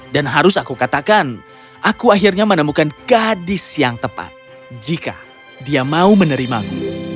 dan aku menemukan gadis yang tepat jika dia mau menerimaku